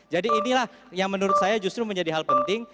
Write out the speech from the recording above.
jadi inilah yang menurut saya justru menjadi hal penting